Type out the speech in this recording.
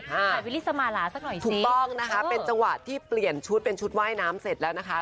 ฮะสักหน่อยสิถูกต้องนะคะเป็นจังหวะที่เปลี่ยนชุดเป็นชุดว่ายน้ำเสร็จแล้วนะคะ